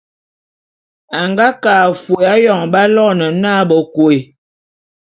A nga ke a fôé ayon b'aloene na Bekôé.